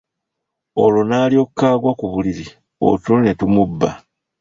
Olwo n'alyoka agwa ku buliri otulo ne tumubba.